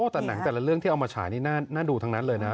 แต่หนังแต่ละเรื่องที่เอามาฉายนี่น่าดูทั้งนั้นเลยนะ